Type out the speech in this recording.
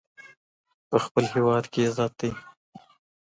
په خپل هېواد کې عزت دی.